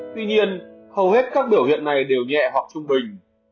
tuy nhiên hầu hết các biểu hiện này đều nhẹ hoặc trung bình